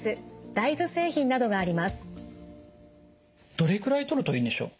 どれぐらいとるといいんでしょう？